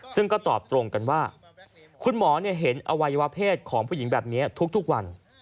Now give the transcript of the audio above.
ซึ่งก็ตอบตรงกันว่าคุณหมอเห็นอวัยวะเพศของผู้หญิงแบบนี้ทุกวัน